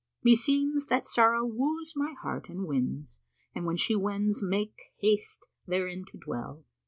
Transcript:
Meseems that sorrow wooes my heart and wins * And when she wends makes haste therein to dwell.